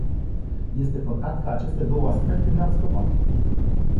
Este păcat că aceste două aspecte ne-au scăpat.